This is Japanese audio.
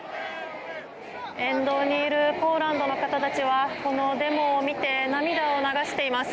沿道にいるポーランドの方たちはこのデモを見て涙を流しています。